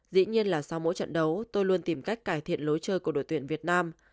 dĩ nhiên là sau mỗi trận đấu tôi luôn tìm cách cải thiện lối chơi của đội tuyển việt nam